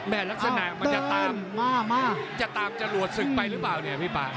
ลักษณะมันจะตามจะตามจรวดศึกไปหรือเปล่าเนี่ยพี่ป่า